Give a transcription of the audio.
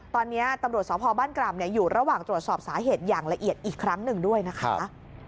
ตอนนี้ตำรวจสพบ้านกร่ำอยู่ระหว่างตรวจสอบสาเหตุอย่างละเอียดอีกครั้งหนึ่งด้วยนะคะ